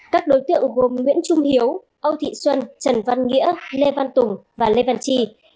các đối tượng gồm nguyễn trung hiếu âu thị xuân trần văn nghĩa lê văn tùng và lê văn tri